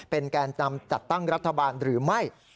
แกนนำจัดตั้งรัฐบาลหรือไม่